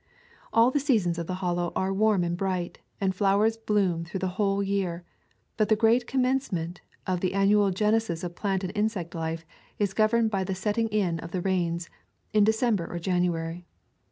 All the seasons of the Hollow are warm and bright, and flowers bloom through the whole year. But the grand commencement of the an nual genesis of plant and insect life is governed by the setting in of the rains, in December or January.